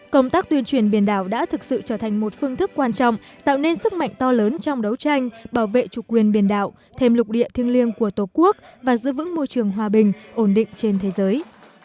công tác tuyên truyền biển đảo đã thực sự trở thành một phương thức quan trọng tạo nên sức mạnh to lớn trong đấu tranh bảo vệ chủ quyền biển đảo thêm lục địa thiêng liêng của tổ quốc và giữ vững môi trường hòa bình ổn định trên thế giới